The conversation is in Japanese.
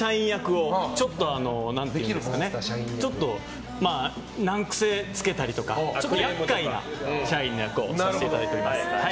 ちょっと難癖つけたりとか厄介な社員の役をさせていただいております。